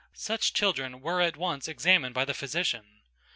Such children were at once examined by the physician.